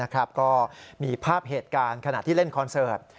ก็มีภาพเหตุการณ์ขณะที่เล่นคอนเสิร์ต